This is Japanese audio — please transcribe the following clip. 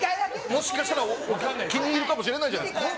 もしかしたら気に入るかもしれないじゃないですか。